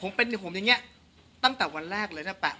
ผมเป็นอย่างงี้ตั้งแต่วันแรกเลยนะ